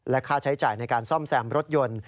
ค่าใช้จ่ายในการซ่อมแซมรถยนต์